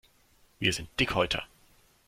Wir sind Dickhäuter.